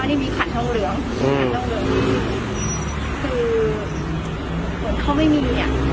อันนี้มีขัดห้องเหลืองอืมขัดห้องเหลืองคือเขาไม่มีเนี้ย